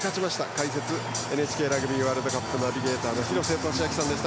解説、ＮＨＫラグビーワールドカップナビゲーターの廣瀬俊朗さんでした。